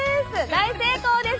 大成功です！